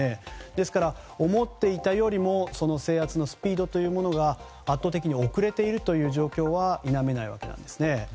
ですから、思っていたより制圧のスピードが圧倒的に遅れているという状況は否めないわけなんですね。